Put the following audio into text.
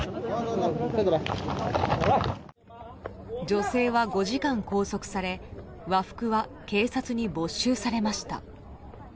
女性は５時間拘束され和服は警察に没収されました。